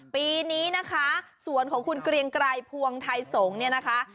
ปีนี้นะคะสวนของคุณเกรียงไกรภวงไทยสงฆ์เนี่ยนะคะ